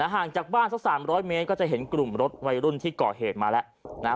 ห่างจากบ้านสัก๓๐๐เมตรก็จะเห็นกลุ่มรถวัยรุ่นที่ก่อเหตุมาแล้ว